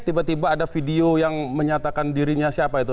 tiba tiba ada video yang menyatakan dirinya siapa itu